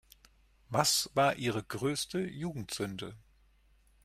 Was war Ihre größte Jugendsünde?